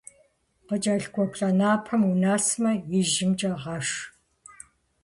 Къыкӏэлъыкӏуэ плӏэнэпэм унэсмэ, ижьымкӏэ гъэш.